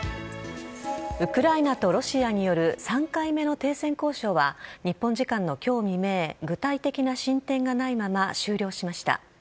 ウクライナとロシアによる３回目の停戦交渉は、日本時間のきょう未明、具体的な進展がないまま、終了しました。